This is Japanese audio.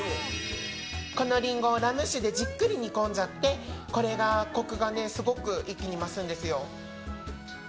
このリンゴをラム酒でじっくり煮込んじゃってこれでコクがすごく一気に増すんですよ。